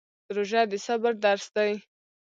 روژه د صبر درس دی